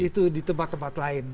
itu di tempat tempat lain